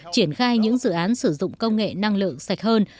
triển khai những dự án sử dụng công nghệ năng lượng sạch hơn